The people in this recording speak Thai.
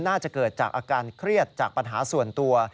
น่าจะเกิดจากอาการเครียดจากปัญหาส่วนตัว